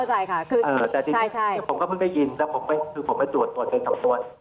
เออแต่ทีนี้ผมก็เพิ่งไปกิน